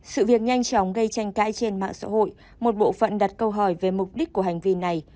sự việc nhanh chóng gây tranh cãi trên mạng xã hội một bộ phận đặt câu hỏi về mục đích của hành vi này